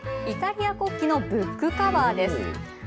イタリア国旗のブックカバーです。